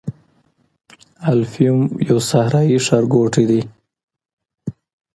الفیوم یو صحرايي ښارګوټی دی.